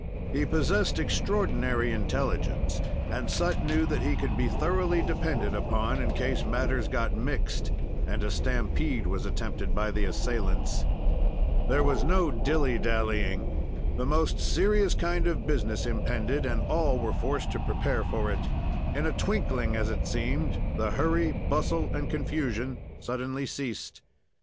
He possessed extraordinary intelligence, and Sut knew that he could be thoroughly depended upon in case matters got mixed, and a stampede was attempted by the assailants. There was no dilly dallying. The most serious kind of business impended, and all were forced to prepare for it. In a twinkling, as it seemed, the hurry, bustle, and confusion suddenly ceased.